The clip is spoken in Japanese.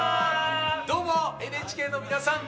どうもＮＨＫの皆さん。